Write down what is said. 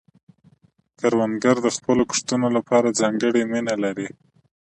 کروندګر د خپلو کښتونو لپاره ځانګړې مینه لري